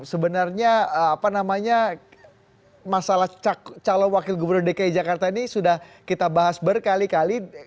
sebenarnya apa namanya masalah calon wakil gubernur dki jakarta ini sudah kita bahas berkali kali